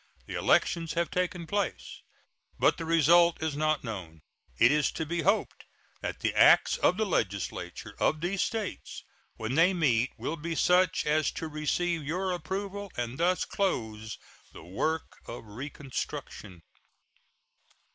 The elections have taken place, but the result is not known. It is to be hoped that the acts of the legislatures of these States, when they meet, will be such as to receive your approval, and thus close the work of reconstruction.